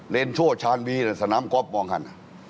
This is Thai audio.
เรียนโชฯชาญวีและสนามกอล์ฟมองครัน